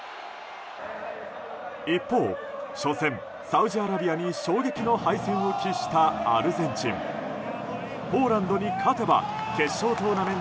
一方、初戦、サウジアラビアに衝撃の敗戦を喫したアルゼンチン。